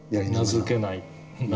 名付けない。